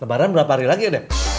lebaran berapa hari lagi adek